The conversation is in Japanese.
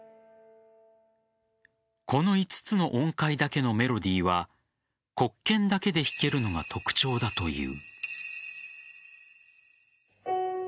この５つの音階だけのメロディーは黒鍵だけで弾けるのが特徴だという。